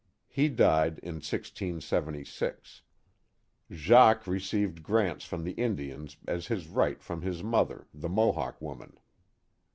He died in 1676, Jacques received grants from the Indians as his right from his mother, the Mohawk woman.